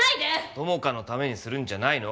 友果のためにするんじゃないの？